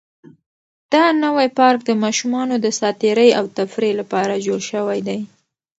دا نوی پارک د ماشومانو د ساتیرۍ او تفریح لپاره جوړ شوی دی.